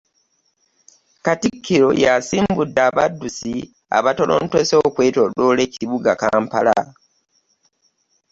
Katikkiro yasimbudde abaddusi abatolontose okwetoolola ekibuga Kampala